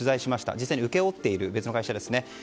実際に請け負っている別の会社です。